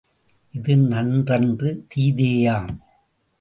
இது நன்றன்று தீதேயாம்.